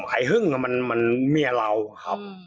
ไอ้หึ่งก็มีเมียเราครับ